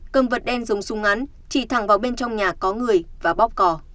cầm vật đen giống súng ngắn chỉ thẳng vào bên trong nhà có người và bóp cỏ